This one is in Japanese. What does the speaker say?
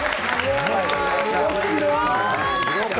面白い！